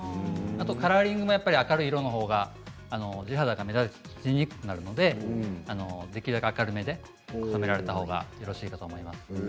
カラーリングも明るい色のほうが地肌が目立ちにくくなってできるだけ明るめで染められたほうがよろしいかと思います。